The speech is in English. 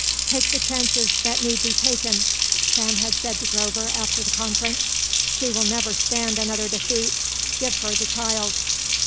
"Take the chances that need be taken," Sam had said to Grover after the conference; "she will never stand another defeat. Give her the child."